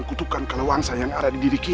kutukan kalawangsa yang ada di diri kita